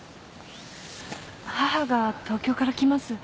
母が東京から来ます。